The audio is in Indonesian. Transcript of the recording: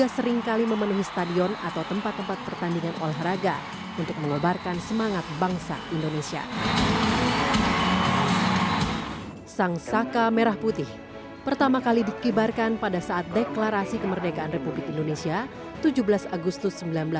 sang saka merah putih pertama kali dikibarkan pada saat deklarasi kemerdekaan republik indonesia tujuh belas agustus seribu sembilan ratus empat puluh